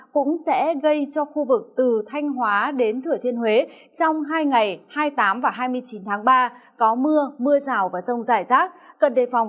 cũng sẽ gây cho khu vực từ thanh hóa đến thửa thiên huế trong hai ngày hai mươi tám và hai mươi chín tháng ba có mưa mưa rào và sông rải rác